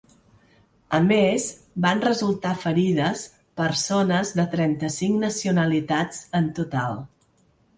A més, van resultar ferides persones de trenta-cinc nacionalitats en total.